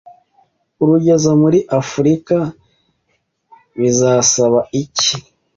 Kurugeza muri Afurika bizasaba iki